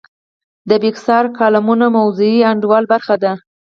د بېکسیار کالمونه موضوعي انډول برخه دي.